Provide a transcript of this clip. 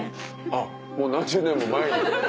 あっもう何十年も前に。